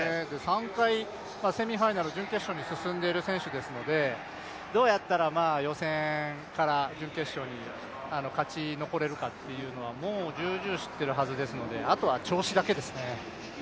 ３回セミファイナル、準決勝に進んでいる選手ですのでどうやったら予選から準決勝に勝ち残れるかというのは、もう重々知っているはずですので、あとは調子だけですね。